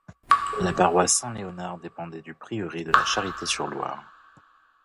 La paroisse saint-Léonard dépendait du prieuré de La Charité-sur-Loire.